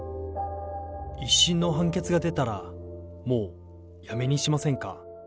一審の判決が出たら、もうやめにしませんか。